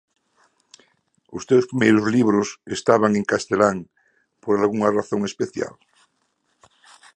Os teus primeiros libros estaban en castelán por algunha razón especial?